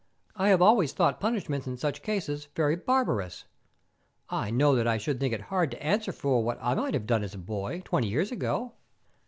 I have always thought punishments in such cases very barbarous. I know that I should think it hard to answer for what I may have done as a boy, twenty years ago.